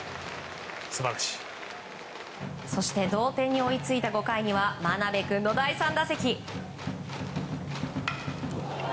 そして同点に追いついた５回には真鍋くんの第３打席。